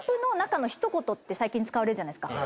最近使われるじゃないですか。